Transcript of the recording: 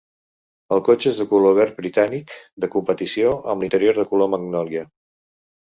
El cotxe és de color verd britànic de competició amb l'interior de color magnòlia.